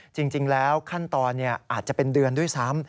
จริงแล้วขั้นตอนอาจจะเป็นเดือนด้วยซ้ำ